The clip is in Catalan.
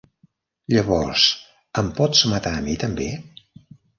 Llavors, em pots matar a mi també?